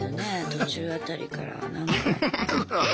途中辺りからなんか。